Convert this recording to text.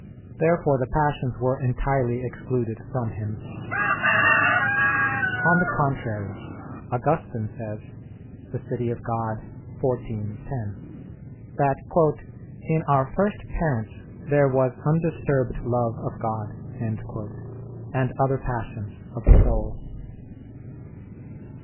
Therefore the passions were entirely excluded from him. On the contrary, Augustine says (De Civ. Dei xiv, 10) that "in our first parents there was undisturbed love of God," and other passions of the soul.